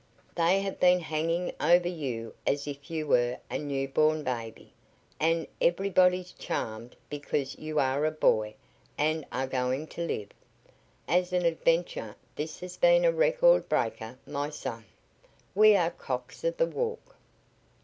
They have been hanging over you as if you were a new born baby, and everybody's charmed because you are a boy and are going to live. As an adventure this has been a record breaker, my son! We are cocks of the walk!"